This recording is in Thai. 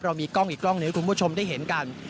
มีกล้องอีกกล้องหนึ่งให้คุณผู้ชมได้เห็นกัน